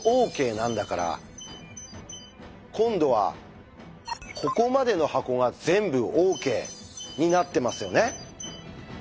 なんだから今度は「ここまでの箱が全部ＯＫ！」になってますよね。